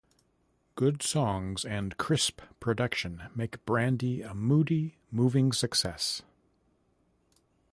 Good songs and crisp production make Brandy a moody, moving success.